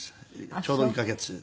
ちょうど１カ月で。